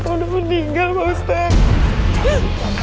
udah meninggal pak ustaz